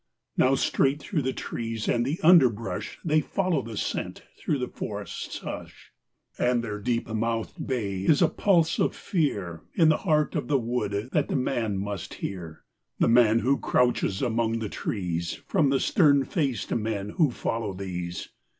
Now straight through the trees and the underbrush They follow the scent through the forest's hush. And their deep mouthed bay is a pulse of fear In the heart of the wood that the man must hear. The man who crouches among the trees From the stern faced men who follow these.